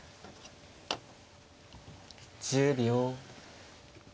１０秒。